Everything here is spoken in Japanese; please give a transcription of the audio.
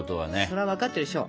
そら分かってるでしょ。